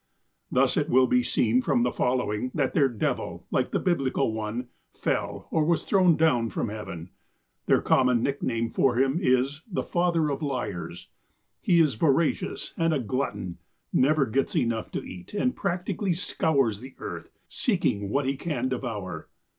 Thus it will be seen from the following, that their devil, like the Biblical one, fell, or was thrown, down from heaven. Their common nickname for him is the ''father of liars." He is voracious, and a glutton, never gets enough to eat, and practically scours the earth, ''seeking what he can devour."